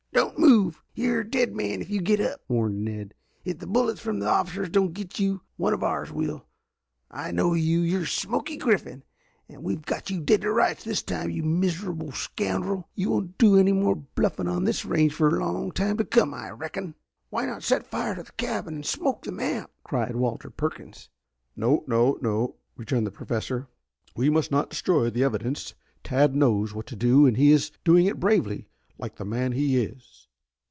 "Don't move. You are a dead man if you get up!" warned Ned. "If the bullets from the officers don't get you, one of ours will. I know you. You're Smoky Griffin and we've got you dead to rights this time, you miserable scoundrel. You won't do any more bluffing on this range for a long time to come, I reckon." "Why not set fire to the cabin and smoke them out?" cried Walter Perkins. "No, no, no," returned the Professor. "We must not destroy the evidence. Tad knows what to do and he is doing it bravely, like the man he is."